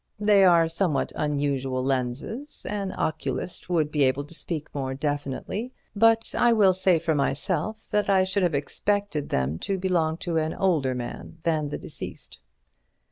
"They are somewhat unusual lenses; an oculist would be able to speak more definitely, but I will say for myself that I should have expected them to belong to an older man than the deceased."